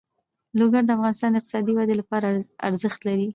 لوگر د افغانستان د اقتصادي ودې لپاره ارزښت لري.